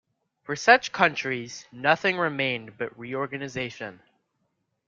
For such countries nothing remained but reorganization.